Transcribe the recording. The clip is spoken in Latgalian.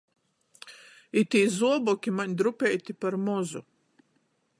Itī zuoboki maņ drupeiti par mozu.